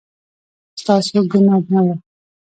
ستاسو ګناه نه وه